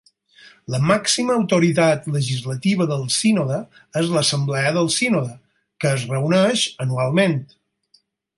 La màxima autoritat legislativa del sínode és l'Assemblea del Sínode, que es reuneix anualment.